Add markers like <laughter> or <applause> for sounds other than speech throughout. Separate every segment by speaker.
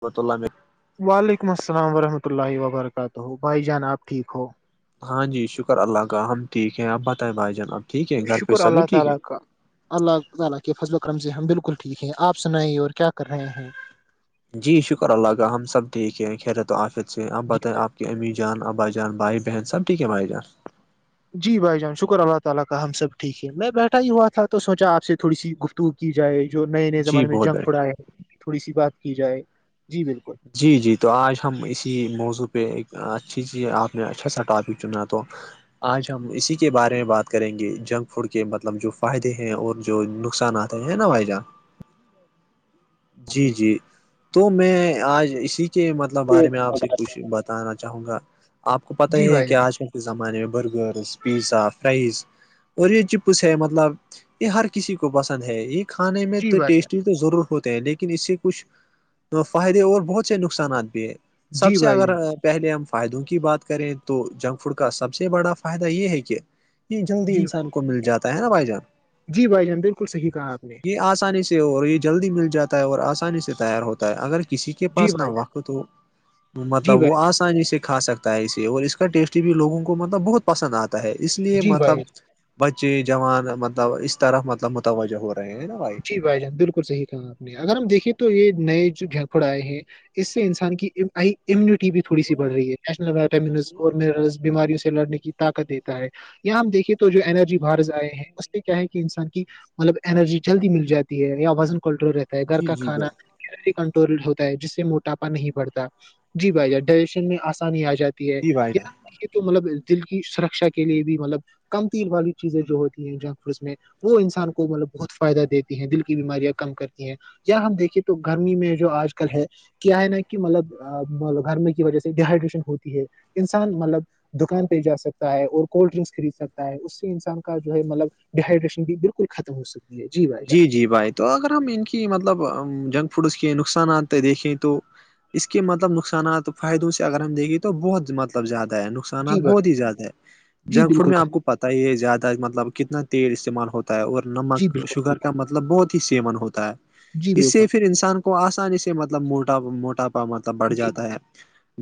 Speaker 1: بتلہ میں <unintelligible>
Speaker 2: وعلیکم السلام ورحمۃ اللہ وبرکاتہ بھائی جان آپ ٹھیک ہو
Speaker 1: ہاں جی شکر اللہ کا ہم ٹھیک ہیں آپ بتائیں بھائی جان اب ٹھیک ہیں گھر پہ
Speaker 2: شکر
Speaker 1: سبھی
Speaker 2: اللہ
Speaker 1: ٹھیک
Speaker 2: تعالی
Speaker 1: ہیں
Speaker 2: کا اللہ تعالا کے فضل وک رمضی ہم بالکل ٹھیک ہیں آپ سنائیے اور کیا کر رہے ہیں
Speaker 1: جی شکر اللہ کا ہم سب ٹھیک ہیں خیرت آفظ سے ہیں آپ
Speaker 2: جی
Speaker 1: بتائیں
Speaker 2: بھائی
Speaker 1: آپ کہ امی جان ابا جان بائی بہن سب ٹی کے آائی جان
Speaker 2: جی بھائی جان شکر اللہ تعالا کا ہم سب ٹھیک ہے میں بیٹھا ہی ہوا تھا تو سوچا آپ سے تھوی سی گفت تو کی جائے جو نئے نئے
Speaker 1: جی
Speaker 2: زمانے میں
Speaker 1: بہت
Speaker 2: جنگ
Speaker 1: بڑے
Speaker 2: پھڑائے ہیں تھوڑی سی بات کی جائے جی بالکل
Speaker 1: جی جی تو آج ہم اسی موضوع پہ ایک اچھی چی آپ نے اچھا سا ٹاپک چنا تو آج ہم اسی کے بارے میں بات کریں گے جنک فوڈ کے مطلب جو فائدے ہیں اور جو نقصانات ہے نا وائ جا
Speaker 2: آپ
Speaker 1: جی
Speaker 2: نے
Speaker 1: جی تو میں آج اسی کے مطلب بارے میں آپ سے کچھ بتانا چاہوں گا آپ کو پت
Speaker 2: جی
Speaker 1: ہی ہے
Speaker 2: بھائی
Speaker 1: کہ
Speaker 2: جان
Speaker 1: آج زمانے میں برگررز پیزا فرائز اور یہ چپس ہے مطلب یہ ہر کسی کو پسند ہے یہ کھانے میں
Speaker 2: جی
Speaker 1: تو
Speaker 2: بھائی جان
Speaker 1: ٹیسٹی تو ضرور ہوتا ہیں لیکن اس سے کچھ فائدہ اور بہت سے نقصانات بھی ہے سب
Speaker 2: جی
Speaker 1: سے
Speaker 2: بھائی
Speaker 1: اگر
Speaker 2: جان
Speaker 1: پہلے ہم فائدوں کی بات کریں تو جنک فوڈ کا سب سے بڑا فائدہ یہ ہے کہ یہ جلدی
Speaker 2: جی بھائی
Speaker 1: انسان کو مل جاتا ہے نا بھائی جان
Speaker 2: جی بھائی جان بالکل صحیح کہا آپ نے
Speaker 1: آسانی سے اور یہ جلدی مل جاتا ہے اور آسانی سے تیار ہوتا ہے اگر کسی کے کے
Speaker 2: جی
Speaker 1: پاس نہا
Speaker 2: بھائی جان
Speaker 1: وقت تو
Speaker 2: جی
Speaker 1: مطلب
Speaker 2: بھائی
Speaker 1: وہ آس آسانی سے کھا سکتا ہے اسے اور اس کا ٹیسٹ بھی لوگوں کو مطلب بہت پسند آتا ہے ہے اس لیے
Speaker 2: جی بھائی
Speaker 1: مطلب بچے جوان مطلب اس طرح مطلب متوجہ ہو رہے ہیں نا بھائی
Speaker 2: بھ جان بالکل صح کہاں تھا اگر ہم دیکھیے تو یہ نئے جو گھپوڑ آئے ہیں اس سے انسان کی آ امیونٹی بھی تھوی سی بڑ رہی ہے نیشنل وائٹامز اور مرل بیماریوں سے لڑنے کی طاقت دیتا ہے یہاں ہم دیکھیے تو جو اینرجی باہر آئے ہیں اس کیا ہے کہ انسان کی مطلب انرجی جلدی مل جاتی ہے یا وزن کنٹرول رہتا ہے گھر
Speaker 1: جی
Speaker 2: کا
Speaker 1: جی بھیا
Speaker 2: کھانا کنٹرول ہوتا ہے جس سے موٹاپا نہیں بڑتا جی بھائی ج ڈائجیشن میں آسانی آ جاتی ہے
Speaker 1: جی بھائی جان
Speaker 2: یہے تو مطلب دل کی سرکشا کے لیے بھی مطلب کم تییر والی چیزیں جو ہوتی ہیں جنک فوڈس میں وہ انسان کو مطلب بہت فائدہ دیتی ہیں دل کی بیماریاں کم کرتی ہیں یا ہم دیکھے تو گرمی میں جو آج کل ہے کیا ہے نا کہ مطلب گھرمی کی وجہ سے ڈیہائیڈریشن ہوتی ہے انسان مطلب دکان پہ جا سکتا ہے اور کولڈ ڈرنکس خرید سکتا ہے اس سے انسان کا جو ہے مطلب ڈیائیڈریشن بھی بالکل ختم ہو سک ہے بھائی جان
Speaker 1: جی جی بھائی تو اگر ہم ان کی مطلب جنک فوڈس کے نقصانات دیکھیں تو اس کے مطلب نقصات فائدوں سے اگر ہم دیکھے تو بہت مطلب زیادہ ہے نقصانات
Speaker 2: جی بھائی
Speaker 1: بہت ہی زیادہ ہے
Speaker 2: جی
Speaker 1: جنک فوڈ
Speaker 2: بالکل
Speaker 1: میں آپ
Speaker 2: کہا
Speaker 1: کو پت یہ زیادہ مطلب کتنا تیل استعمال ہوتا ہے اور نمک
Speaker 2: جی بالکل صحیح
Speaker 1: شوگر
Speaker 2: کہا،
Speaker 1: مطلب بہت ہی سیمن ہوتا ہے
Speaker 2: جی
Speaker 1: اس
Speaker 2: بالکل
Speaker 1: سے پھر انسان کو آسانی سے مطلب موٹا موٹا پا مطلب بڑھ
Speaker 2: جی
Speaker 1: جاتا ہے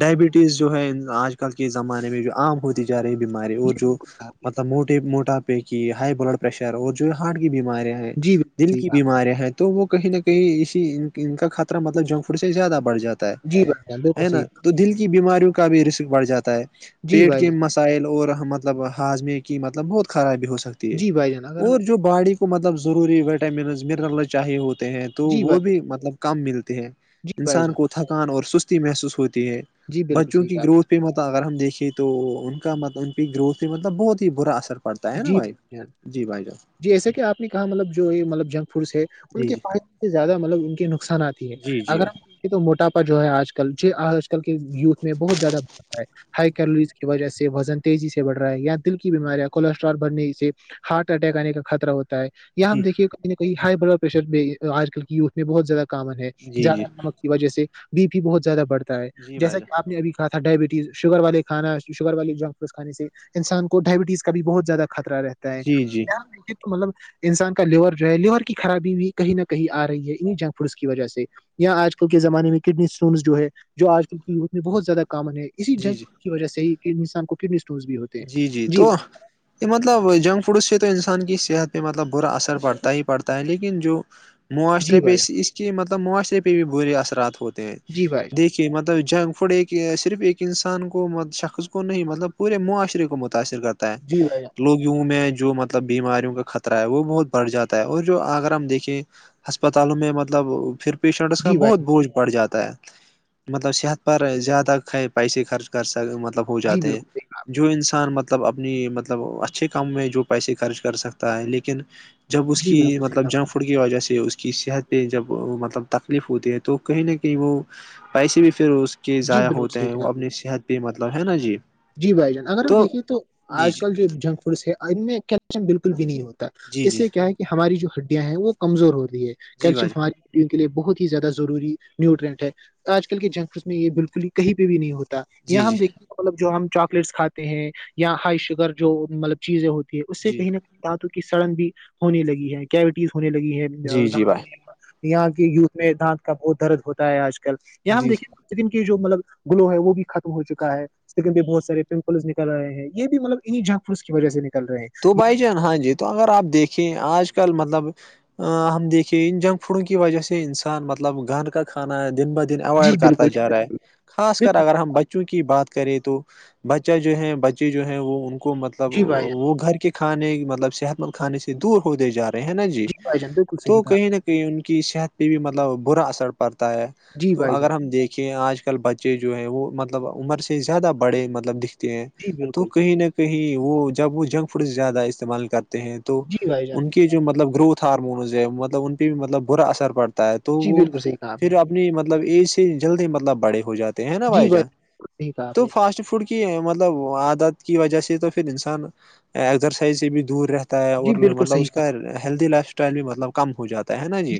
Speaker 1: ڈائبٹیز جو ہے آج کل کے زمانے میں جو آمام ہوتی جا رہی بیماری اور
Speaker 2: جی
Speaker 1: جو
Speaker 2: بالکل کہا آپ نے،
Speaker 1: مطلب موٹے موٹاپے کی ہائی بلڈ پریشر اور جو ہارٹ کی بیماری ہیں
Speaker 2: جی بالکل
Speaker 1: دل
Speaker 2: صحیح
Speaker 1: کی
Speaker 2: کہا آپ نے،
Speaker 1: بیماریاں ہیں تو وہ کہیں نہ کہیں اسی ان کا خطرہ مطلب جنک فوڈ سے زیادہ بڑھ جاتا ہے ہے
Speaker 2: جی بھائی جان بالکل
Speaker 1: ہے نا
Speaker 2: صحیح کہا
Speaker 1: تو
Speaker 2: آپ نے،
Speaker 1: دل کی بیماریوں کا بھی رسک بڑھ جاتا ہے
Speaker 2: جی
Speaker 1: پیٹ
Speaker 2: بھائی
Speaker 1: کے
Speaker 2: جان
Speaker 1: مسل اسائل اور مطلب ہاضمے کی مطلب بہت خرابی ہو سکتی ہے
Speaker 2: جی بھائی جان اگر ہم
Speaker 1: اور جو باڑی اس کو مطلب ضروری ویٹامنز منرلز چاہی ہوتے ہیں تو
Speaker 2: جی
Speaker 1: وہ
Speaker 2: بھائی جان
Speaker 1: بھی مطلب کم ملتے ہیں
Speaker 2: جی بھائی
Speaker 1: انسان
Speaker 2: جان
Speaker 1: کو تھکان اور سستی محسوس ہوتی ہے
Speaker 2: جی بالکل
Speaker 1: بچوں
Speaker 2: صحیح کہا
Speaker 1: کی
Speaker 2: آپ
Speaker 1: گروتھ پہ متہ اگر ہم دیکھیں تو تو ان کا مطلب ان کی گروتھ پ مطلب بہت ہی برا اثر پڑتا
Speaker 2: نے،
Speaker 1: ہے نا
Speaker 2: جی
Speaker 1: بھائی
Speaker 2: جان۔
Speaker 1: جی بھائی جان
Speaker 2: جی ایسے کہ آپ نے کہا مطلب جو یہ مطلب جنک فوڈس ہے ان
Speaker 1: جی
Speaker 2: کے پ سے زیادہ مطلب ان کے نقصانات ہے
Speaker 1: جی
Speaker 2: اگر
Speaker 1: جی
Speaker 2: آپ دیکے تو موٹاپا جو ہے آج کل ج آج کل کے یوتھ میں بہت زیادہ بڑھتا ہے ہائی کیلورز کی وجہ سے وزن تیزی سے بڑ رہا ہے یا دل کی بیماریاں کولسٹرال بھرنے سے ہارٹ اٹیک آنے کا خطرہ ہوتا ہے یا ہم دیکھیے کہ ہائی بلڈ پریشر بھی آج کل کی یوتھ میں بہت زیادہ کامن
Speaker 1: جی جی جی جی
Speaker 2: ہےیاد وجہ سے بی پی بہت زیادہ بڑھتا ہے
Speaker 1: جی بھائی
Speaker 2: جیسا
Speaker 1: جان
Speaker 2: کہ آپ نےبھی تھا ڈائبٹیز شوگر والے کانا شوگر والے جنک فوڈس کھے سے انسان کو ڈائبٹیز کا بھی بہت زیادہ خطرہ رہتا ہے
Speaker 1: جی جی
Speaker 2: رے تو مطلب انسان کا لیور جو ہے لیور کی خرابی بھی کہیں نہ کہیں آ رہی ہے انہیں جنگ فوس کی وجہ سے یہاں آج کل کے زمانے میں کڈنی اسٹونس جو ہے جو آج کل کی یوتھ میں بہت زیادہ کامن ہے اسی
Speaker 1: جی
Speaker 2: جنگ
Speaker 1: جی
Speaker 2: کی وجہ سے ہی انسان کو کڈنی اسٹون بھی ہوتے ہیں جی
Speaker 1: یہ مطلب جنک فوڈ سے تو انسان کی صحت پہ مطلب برا اثر پڑتا ہی پڑتا ہے لیکن جو
Speaker 2: جی
Speaker 1: معاشرے پہ
Speaker 2: بھائی
Speaker 1: اس کے مطلب معاشرے پہ بھی برے اثرات ہوتے ہیں
Speaker 2: جی بھائی
Speaker 1: کہ مطلب جنک فوڈ ایک صرف ایک انسان کو شخص کو نہیں مطلب پورے معاشرے کو متاثر کرتا
Speaker 2: جی بھائی
Speaker 1: ت لوگیوں میں جو مطلب بیماریوں کا خطرہ ہے وہ بہت بڑھ جاتا ہے اور جو اگر ہم دیکھیں ہسپتالوں میں مطلب پھر پیشنٹس کا
Speaker 2: جی
Speaker 1: بہت
Speaker 2: بھائی
Speaker 1: بوجھ پڑ جاتا ہے مطلب صحت پر زیادہ پیسے خرچ کر سک مطلب ہو
Speaker 2: جی
Speaker 1: جاتے ہیں
Speaker 2: بالکل صحیح
Speaker 1: جو انسان مطلب اپنی مطلب اچھے کام میں جو پیسے خرچ کر سکتا ہے لیکن جب اس
Speaker 2: جی
Speaker 1: کی
Speaker 2: بالکل صحیح کہا
Speaker 1: مطلب
Speaker 2: آپ
Speaker 1: جنک
Speaker 2: نے
Speaker 1: فوڈ کی وجہ سے اس کی صحت پ جب مطلب تکلیف ہوتی ہے تو کہیں نہ کہیں وہ پیسے بھی پھر کے
Speaker 2: جی
Speaker 1: ضائع
Speaker 2: بالکل
Speaker 1: ہوتے
Speaker 2: صحیح
Speaker 1: ہیں
Speaker 2: کہا
Speaker 1: وہ
Speaker 2: آپ نے
Speaker 1: اپنی صحت پہ مطلب ہے نا جی
Speaker 2: جی بھائی جان اگر ہم دیکھے تو
Speaker 1: جی
Speaker 2: آج
Speaker 1: جی
Speaker 2: کل جو جنک فوڈس ہے ان میں کیلشیم بالکل بھی نہیں ہوتا
Speaker 1: جی
Speaker 2: اس
Speaker 1: جی
Speaker 2: سے کیا ہے کہ ہماری جو ہڈیاں ہیں وہ کمزور ہو رہی ہے
Speaker 1: جی
Speaker 2: کیلشیم
Speaker 1: بھائی
Speaker 2: ہماری ان کے لیے بہت ہی زیادہ ضروری نیوٹرینٹ ہے آج کل کے جنک فڈ میں یہ بالکل ہی کہیں پہ بھی نہیں ہوتا
Speaker 1: جی
Speaker 2: یہیا
Speaker 1: جی
Speaker 2: ہم دیکھے گ مطلب جو ہم چاکلیٹس کھاتے ہیں یا ہائی شوگر جو مطلب چیزیں ہوتی ہے اس سے
Speaker 1: جی
Speaker 2: کہیں نہ کہیں د تو کی سڑن بھی ہونے لگی ہے کیوٹیز ہونے لگی ہے
Speaker 1: جی
Speaker 2: د
Speaker 1: جی بھائی
Speaker 2: یہاں کی یتھ میں دانت کا بہت درد ہوتا ہے آج کل یہاں ہم
Speaker 1: جی
Speaker 2: دیکیں سکم کی جو مطلب گلو ہے وہ بھی ختم ہو چکا ہے لن بھی بہت سار پمپلس نکل رہے ہیں یہ بھی مطلب انیں جنگ فوس کی وجہ سے نکلے ہیں
Speaker 1: تو بھائی جان ہاں جی تو اگر آپ دیکھیں آج کل مطلب ہم دیکھ کہ ان جنک فوڈوں کی وجہ سے انسان مطلب گن کا کھا ہے دن بد اوائڈ
Speaker 2: جی
Speaker 1: کرتا
Speaker 2: بالکل
Speaker 1: جا رہا ہے خاص کر
Speaker 2: بالکل
Speaker 1: اگر ہم بچے بوں کی بات کریں تو بچہ جو ہے بچے جو ہیں وہ ان کو مطلب
Speaker 2: جی بھائی جان
Speaker 1: وہ گھر کے کھانے مطلب صحت مند کھانے سے دور ہو د جا رہے ہیں نا جی
Speaker 2: بھائی جان بالکل صحیح
Speaker 1: تو
Speaker 2: کہا
Speaker 1: کہیں نہ کہ ان کی صحت پہ بھی مطلب برا اثر پڑتا ہے
Speaker 2: جی
Speaker 1: تو
Speaker 2: بھائی
Speaker 1: اگر
Speaker 2: جان
Speaker 1: ہم دیکھیں آج بچے جو ہیں وہ مطلب عمر سے زیادہ بڑے مطلب دکھتے ہیں
Speaker 2: جی
Speaker 1: تو
Speaker 2: بالکل
Speaker 1: کہیں نہ کہ وہ جب وہ جنک فوڈ زیادہ استعمال کرتے ہیں تو
Speaker 2: جی بھائی جان
Speaker 1: ان کے جو مطلب گروتھ ہارمونز ہے مطلب ان پہ بھی مطلب برا اثر پڑتا ہے تو
Speaker 2: جی
Speaker 1: وہ
Speaker 2: بالکل صحیح کہا آپ نے
Speaker 1: پھر اب مطلب ای سے جلد مطلب بڑے ہو جاتے ہیں نا
Speaker 2: جی
Speaker 1: بھائی جان
Speaker 2: بالکل صحیح کہا آپ
Speaker 1: تو
Speaker 2: نے
Speaker 1: فاسٹ فوڈ کے کہ مطلب عادت کی وجہ سے تو پھر انسان ازرسائز سے بھی دور رہتا
Speaker 2: جی
Speaker 1: اور
Speaker 2: بالکل
Speaker 1: مطلب
Speaker 2: صحیح
Speaker 1: اس
Speaker 2: کہا
Speaker 1: کا ہیلدی لائف اسٹائل بھی مطلب کم ہو جاتا ہے نا جی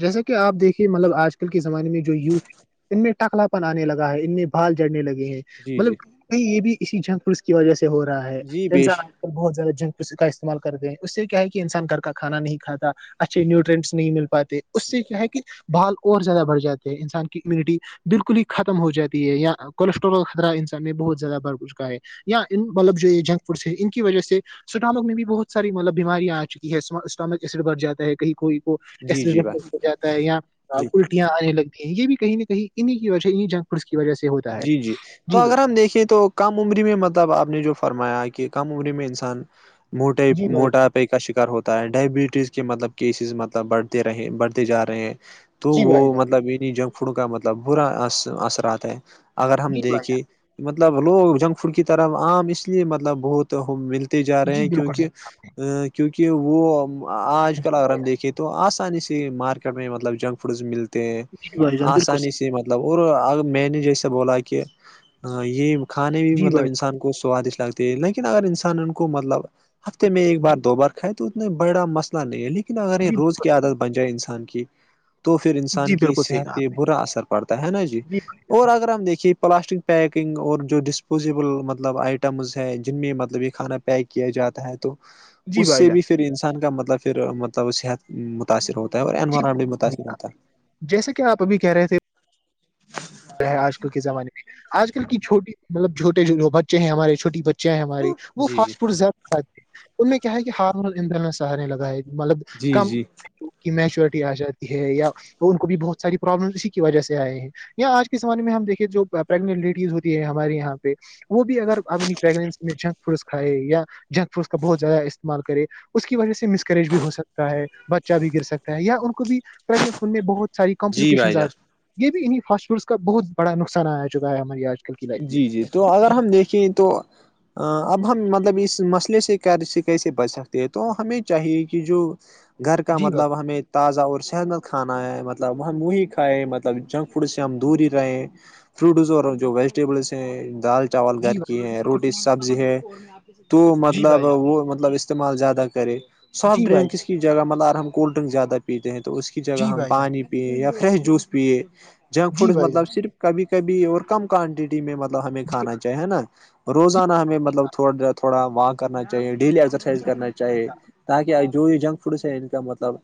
Speaker 2: جیسا کہ آپ دیکھیے مطلب آج کل کے زمانے میں جو یوتھ ہے ان میں ٹکلا پن آنے لگا ہے ان میں بھال جڑنے لگے ہیں
Speaker 1: جی جی
Speaker 2: مطلب یہ بھی اسی جھنگ پھس کی وجہ سے ہو رہا ہے
Speaker 1: جی بیش
Speaker 2: بہت زیادہ جنک کا استعمال کرتے ہیں اس سے کیا ہے کہ انسان گھر کا کانا نہیں کھاتا اچھے نیوٹرینس نہیں مل پاتے اس سے کیا ہے کہ بھال اور زیادہ بڑھ جاتے ہیں انسان کی امیونٹی بالکل ہی ختم ہو جاتی ہے یا کولیسٹرول خطرہ انسان نے بہت زیادہ بھرھ چکا ہے یا ان مطلب جو یہ جنک فوڈ سے ان کی وجہ سے اسٹامک میں بھی بہت ساری مطلب بیماریاں آ چکی ہے اسٹامک ایسڈ بڑ جاتا ہے کہیں کوئی کو
Speaker 1: جی جی بس
Speaker 2: جاتا ہے یا
Speaker 1: جی
Speaker 2: الٹیاں آنے لگ یہ بھی کہیں نہ کہیں انہیں کی وجہ انہیں جنگ پھس کی وجہ سے ہوتا ہے
Speaker 1: جی جی تو اگر ہم دیکھے تو کم عمری میں مطلب آپ نے جو فرمایا کہ کم عمری میں انسان موٹے
Speaker 2: جی بھائی
Speaker 1: موٹا کا شکار ہوتا ہے ڈائبٹیز کے مطلب کیسز مطلب بڑھتے رہے بڑھتے جا رہے ہیں تو
Speaker 2: جی
Speaker 1: وہ
Speaker 2: بھائی جان
Speaker 1: مطلب انہیں جنک فوڈ کا مطلب برا اثراتتا ہے اگر ہم
Speaker 2: جی بھائی
Speaker 1: دیکھے
Speaker 2: جان
Speaker 1: مطلب لوگ جنک فوڈ کی طرح عام اس لیے مطلب بہت ملتے جا رہے
Speaker 2: جی
Speaker 1: ہیں
Speaker 2: بالکل
Speaker 1: کیونکہ
Speaker 2: صحیح
Speaker 1: ا کیونکہ وہ آج کل
Speaker 2: جی
Speaker 1: اگر
Speaker 2: بھائی
Speaker 1: ہم
Speaker 2: جان
Speaker 1: دیکھیں تو آسانی سے مارکیٹ میں مطلب جنک فوڈ ملتے ہیں
Speaker 2: جی بھائی جان بالکل
Speaker 1: آسانی
Speaker 2: صحیح
Speaker 1: سے مطلب اور ا میں نے جیسے بولا کہ یہ کھانے میں
Speaker 2: جی
Speaker 1: مطلب
Speaker 2: بھائی
Speaker 1: انسان کو سوادشٹ لگتا لیکن اگر انسان ان کو مطلب ہفتے میں ایک بار
Speaker 2: جی
Speaker 1: دو بار کھائے تو اتنا بڑا مسئلہ نہیں ہے لیکن لیکن اگر یہ
Speaker 2: جی
Speaker 1: روز کی
Speaker 2: بالکل
Speaker 1: عادت بن جائے انسان کی تو پھر انسان
Speaker 2: جی
Speaker 1: کی
Speaker 2: بالکل صحیح
Speaker 1: صحت
Speaker 2: کہا
Speaker 1: پہ
Speaker 2: آپ نے
Speaker 1: برا اثر پڑتا ہے نا جی
Speaker 2: بھائی
Speaker 1: اور
Speaker 2: جان
Speaker 1: اگر دیکھیے پلاسٹک پیکنگ اور جو ڈسپوزیبل مطلب آئٹمز ہیں جن میں مطلب یہ کھانا پیک کیا جاتا ہے تو
Speaker 2: جی
Speaker 1: اس
Speaker 2: بھائی
Speaker 1: سے
Speaker 2: جان
Speaker 1: بھی پھر انسان کا مطلب پھر مطلب صحت متاثر ہوتا اور انوور بھی متاثر ہوتا ہے
Speaker 2: جیسے کہ آپ ابھی کہہ رہے تھے ہے آج کل کے زمانے میں آج کل کی چھوٹی مطلب چھوٹے جو بچے ہیں ہمارے چوٹی بچے چ ہم
Speaker 1: ہے
Speaker 2: وہ
Speaker 1: جی جی
Speaker 2: فاسٹ فوڈ زیادہ کھاتی ان کیا ہے کہ ہاردر سہارے لگاائے مطلب
Speaker 1: جی
Speaker 2: کم
Speaker 1: جی
Speaker 2: میچورٹی آ جاتی ہے یا ان کو بھی بہت ساری پرابلم اسی کی وجہ سے آئے ہیں یااں آج کے زمانے میں ہم دیکے جو پریگنٹ لیڈیز ہوتی ہے ہمارے یہاں پہ وہ بھی اگر آپ اپنیگن میں جنک فوڈ کھائائے یا جنک فوڈس کا بہت زیادہ استعمال کرے اس کی وجہ سے مس کرریج بھی ہو سکتا ہے بچہا بھی گر سکتا ہے یا ان کو بھی پیگنٹ ہونے میں بہت ساری
Speaker 1: جی
Speaker 2: کمپلیکیشنز
Speaker 1: بھائی جان
Speaker 2: یہ بھی انہیں فاس فوس کا بہت بڑا نقصان آیا چکا ہے ہمارے آج کل کی لائف میں
Speaker 1: جی جی تو اگر
Speaker 2: جی
Speaker 1: ہم دیکھیں تو اب ہم مطلب اس مسئلے سے کیسے بچ سکتے ہیں تو ہمیں چاہیے کہ جو گھر کا
Speaker 2: جی بھائی
Speaker 1: مطلب ہمیں تازہ اور صحت مند کھانا ہے مطلب ہم وہی کھائےیں مطلب جنک فوڈ سے ہم دور ہی رہے فروٹز اور جو ویجیٹیبلس ہیں دال چاول
Speaker 2: جی
Speaker 1: گھر
Speaker 2: بھائی
Speaker 1: کی ہے
Speaker 2: بالکل
Speaker 1: روٹی سبزی ہے تو
Speaker 2: جی
Speaker 1: مطلب
Speaker 2: بھائی جان
Speaker 1: وہ مطلب استعمال زیادہ کرے سافٹ
Speaker 2: جی بھائی
Speaker 1: ڈرنک ک
Speaker 2: جان
Speaker 1: کی جگہ مطلب ہم کولڈ ڈرنک زیادہ پیتے ہیں تو اس کی جگہ
Speaker 2: جی
Speaker 1: ہم
Speaker 2: بھائی جان
Speaker 1: پانی پیئے یا فریش جوس پیے جنک
Speaker 2: جی
Speaker 1: فوڈز
Speaker 2: بھائی
Speaker 1: مطلب
Speaker 2: جان
Speaker 1: صرف کبھی کبھی اور کم کوانٹٹی میں ملب ب ہمیں
Speaker 2: جی
Speaker 1: کھانا چاہے ہے نا
Speaker 2: جی
Speaker 1: روزانہ ہمیں مطلب تھاا تھوڑا و کرنا چاہیے ڈیلی ایکسرسائز
Speaker 2: جی
Speaker 1: کرنا چاہیے تاکہ جو یہ جنک فوڈس ہے ان کا مطلب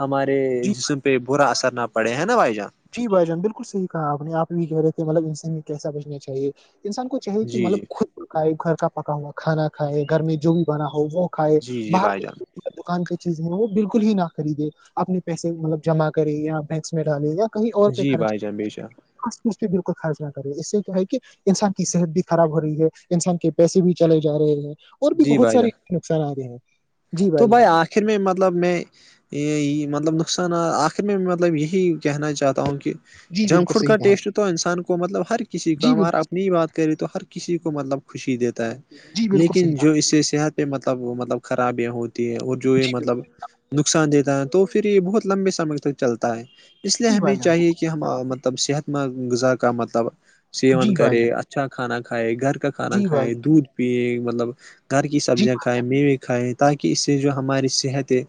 Speaker 1: ہمارے
Speaker 2: جی
Speaker 1: جسم پہ برا اثر نہ پڑے ہے نا بھائی جان
Speaker 2: جی بھائی جان بالکل صحیح کہا آپ آپ بھی کہہ رہے تھے مطلب ان کیسا بچنا چاہیے انسان کو چاہیے کہ
Speaker 1: جی
Speaker 2: مطلب
Speaker 1: جی
Speaker 2: خود پکائے گھر کا پکا ہوا کانا کھائے گھر میں جو بھی بنا ہو وہ کھائے
Speaker 1: جی جی
Speaker 2: باہر
Speaker 1: بھائی
Speaker 2: کو
Speaker 1: جان
Speaker 2: دکان پہ چیزیں ہیں وہ بالکل ہی نہ خریدے اپنے پیسے مطلب جمع کرے یا بینکس میں ڈالے یا کہیں اور پہ
Speaker 1: جی
Speaker 2: خرچ
Speaker 1: بھائی جان بے شک
Speaker 2: کچ پہ بالکل خرچ نہ کرے اس سے کیا ہے کہ انسان کی صحت بھی خراب ہو رہی ہے انسان کے پیسے بھی چلے جا رہے ہیں اور بھی
Speaker 1: جی
Speaker 2: بہت
Speaker 1: بھائی جان
Speaker 2: سارے نقصان آ رہے ہیں جی
Speaker 1: تو بھائی
Speaker 2: جان
Speaker 1: آخر میں مطلب میں یہ مطلب نقصانات آخر میں مطلب یہی کہنا چاہتا ہوں کہ
Speaker 2: جی
Speaker 1: جنک
Speaker 2: بالکل
Speaker 1: فوڈ
Speaker 2: صحیح
Speaker 1: کا
Speaker 2: کہا
Speaker 1: ٹیسٹ تو انسان کو مطلب ہر کسی کا
Speaker 2: جی
Speaker 1: ہمار
Speaker 2: بالکل
Speaker 1: اپنی ہی بات کرے تو ہر کسی کو مطلب خوشی دیتا ہے
Speaker 2: جی بالکل
Speaker 1: لیکن
Speaker 2: صحیح
Speaker 1: جو
Speaker 2: کہا
Speaker 1: اس سے صحت پہ مطلب مطلب خرابیاں ہوتی ہیں اور جو یہ
Speaker 2: جی بالکل
Speaker 1: مطلب نقصان دیتا ہے تو یہ بہت لمبے سمے تک چلتا ہے اس لیے
Speaker 2: جی
Speaker 1: ہمیں
Speaker 2: بھائی جان
Speaker 1: چاہیے کہ کہ مطلب صحت مند غذاہ مطلب سیون
Speaker 2: جی بھائی
Speaker 1: کرے
Speaker 2: جان
Speaker 1: اچھا کھانا کھائے گھر کا کھانا
Speaker 2: جی بھائی
Speaker 1: کھائے دودھ پیئے مطلب گھر کی
Speaker 2: جی
Speaker 1: سبزیاں کھائے میوے کھائے تاکہ اس سے جو ہماری صحت ہے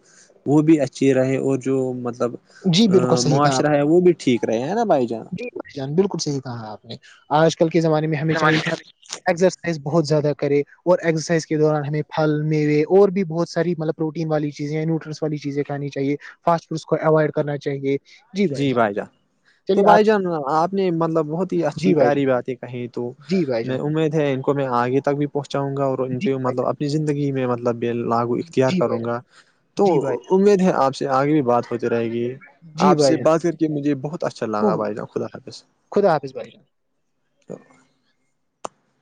Speaker 1: وہ بھی اچھی رہے اور جو مطل مطلب
Speaker 2: جی بالکل
Speaker 1: ا
Speaker 2: صحیح کہا
Speaker 1: معاشرہ ہے وہ بھی ٹھیک رہے ہیں نا بھائی جان
Speaker 2: چان بالکل صحیح کہا آپ نے آج کل کے زمانے میں ہمیں چاہیے کہ ایکسرسائز بہت زیادہ کرے اور ایکسرسائز کے دوران ہمیں پھل میوے اور بھی بہت ساری مطلب پروٹین والی چیزیں نیٹرنس والی چیزیں کھانی چاہے فاسٹ فوڈس کو اوائڈ کرنا چاہے
Speaker 1: جی بھائی جان تو بھائی جان آپ نے مطلب بہت ہی اچھی
Speaker 2: جی بھائی جان
Speaker 1: پیاری باتیں کہیں تو
Speaker 2: جی بھائی جان
Speaker 1: میں امید ہے ان کو میں آگے تک بھی پہنچاؤں گا اور ان
Speaker 2: جی
Speaker 1: پہ
Speaker 2: بھائی
Speaker 1: مطلب
Speaker 2: جان
Speaker 1: اپنی زندگی میں مطلب لاگو اختیار
Speaker 2: جی بھائی
Speaker 1: کروں
Speaker 2: جان
Speaker 1: گا تو
Speaker 2: جی بھائی
Speaker 1: امید ہے آپ سے آگے بھی بات ہوتی رہے گی
Speaker 2: جان جی
Speaker 1: آپ سے
Speaker 2: بھائی جان
Speaker 1: بات کر کے مجھے بہت اچھا لانگا
Speaker 2: بہت
Speaker 1: بھائی جان خدافظ
Speaker 2: خدا حافظ بھائی